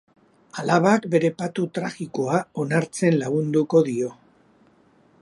Alabak bere patu tragikoa onartzen lagunduko dio.